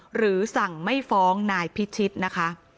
หรือสั่งไม่ฟ้องนายพิชิตนะคะ